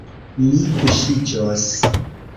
Mi kuŝiĝos.